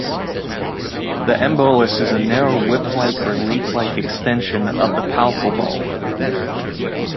The embolus is a narrow whip-like or leaf-like extension of the palpal bulb.